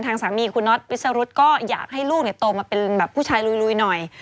ทางสามีคุณน็อตวิสรุธก็อยากให้ลูกโตมาเป็นแบบผู้ชายลุยหน่อย